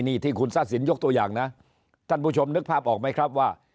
นี่ที่คุณทักษิณยกตัวอย่างนะท่านผู้ชมนึกภาพออกไหมครับว่า